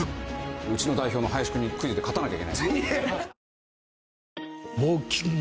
うちの代表の林くんにクイズで勝たなきゃいけない。